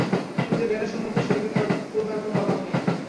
তিনি যে জ্ঞানের সমুদ্র, সে দিকে তো তাঁর কোনো অভাব নাই।